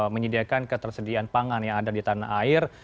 menyediakan ketersediaan pangan yang ada di tanah air